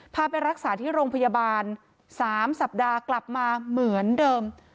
พาไปรักษาที่โรงพยาบาล๓สัปดาห์กลับมาเหมือนเดิม